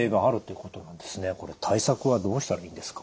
これ対策はどうしたらいいんですか？